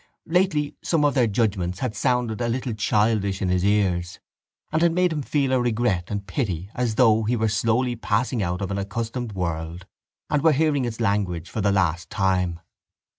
Lately some of their judgements had sounded a little childish in his ears and had made him feel a regret and pity as though he were slowly passing out of an accustomed world and were hearing its language for the last time.